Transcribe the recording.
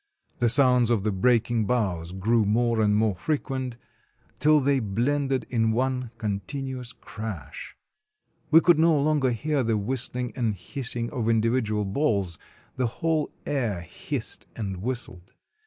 The sounds of the breaking boughs grew more and more frequent, till they blended in one con tinuous crash. We could no longer hear the whistling and hissing of individual balls, the whole air hissed and whistled.